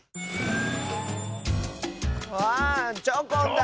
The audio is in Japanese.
あっチョコンだ！